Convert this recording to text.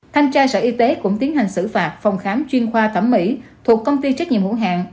thanh tra sở y tế cũng tiến hành xử phạt phòng khám chuyên khoa thẩm mỹ thuộc công ty trách nhiệm hữu hạng